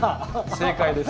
正解です。